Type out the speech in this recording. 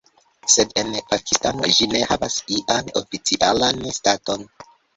Sed en Pakistano ĝi ne havas ian oficialan staton.